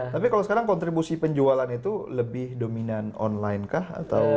tapi kalau sekarang kontribusi penjualan itu lebih dominan online kah atau